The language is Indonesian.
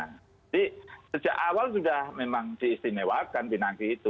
jadi sejak awal sudah memang diistimewakan pinangki itu